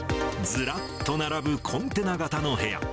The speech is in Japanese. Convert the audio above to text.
ずらっと並ぶコンテナ型の部屋。